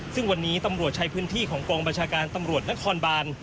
ซึ่งวันนี้ตำรวจใช้พื้นที่ของกองบัญชาการตำรวจนครบาน